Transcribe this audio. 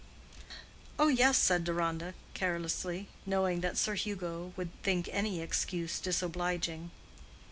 "Oh, yes," said Deronda, carelessly, knowing that Sir Hugo would think any excuse disobliging.